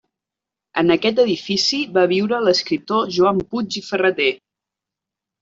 En aquest edifici va viure l'escriptor Joan Puig i Ferrater.